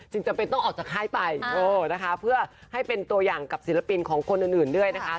จำเป็นต้องออกจากค่ายไปนะคะเพื่อให้เป็นตัวอย่างกับศิลปินของคนอื่นด้วยนะคะ